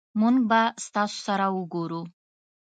مونږ به ستاسو سره اوګورو